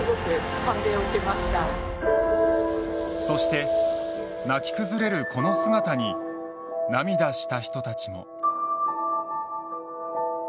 そして泣き崩れるこの姿に涙した人たちも。